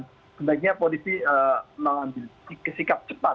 sebaiknya polisi mengambil sikap cepat